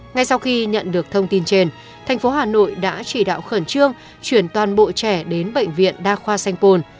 ngay sau khi nhận được thông tin trên thành phố hà nội đã chỉ đạo khẩn trương chuyển toàn bộ trẻ đến bệnh viện đa khoa sanh pôn